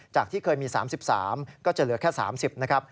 ที่เคยมี๓๓ก็จะเหลือแค่๓๐นะครับ